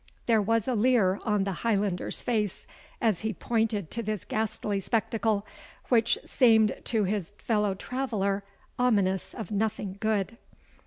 There was a leer on the Highlander's face, as he pointed to this ghastly spectacle, which seemed to his fellow traveller ominous of nothing good.